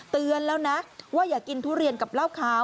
เตือนแล้วนะว่าอย่ากินทุเรียนกับเหล้าขาว